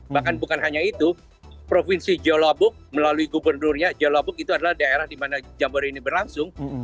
bahkan bukan hanya itu provinsi jawabuk melalui gubernurnya jelabuk itu adalah daerah di mana jambore ini berlangsung